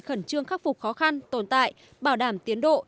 khẩn trương khắc phục khó khăn tồn tại bảo đảm tiến độ